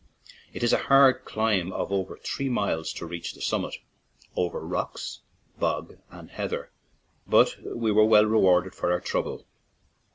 It is a hard climb of over three miles to reach the summit, over rocks, bog, and heather, but we were well rewarded for our trouble.